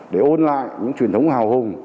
để ôn lại những truyền thống hào hùng